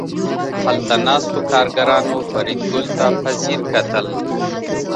هلته ناستو کارګرانو فریدګل ته په ځیر کتل